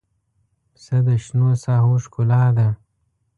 پسه د شنو ساحو ښکلا ده.